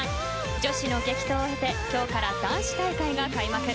女子の激闘を経て今日から男子大会が開幕。